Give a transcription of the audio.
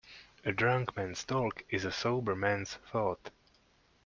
A drunk man's talk is a sober man's thought.